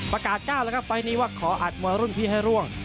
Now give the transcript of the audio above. ประกาศก้าวแล้วครับไฟล์นี้ว่าขออัดมวยรุ่นพี่ให้ร่วง